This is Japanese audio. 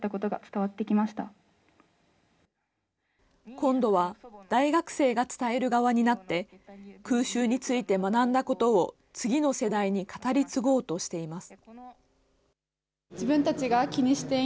今度は大学生が伝える側になって、空襲について学んだことを次の世代に語り継ごうとしています。